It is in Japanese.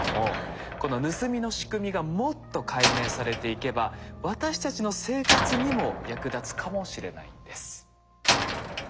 この盗みの仕組みがもっと解明されていけば私たちの生活にも役立つかもしれないんです。